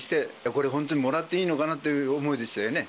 これ、本当にもらっていいのかな？っていう思いでしたよね。